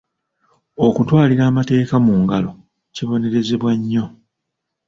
Okutwalira amateeka mu ngalo kibonerezebwa nnyo.